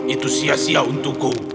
itu sia sia untukku